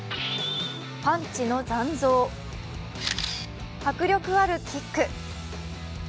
パンチの残像、迫力あるキック。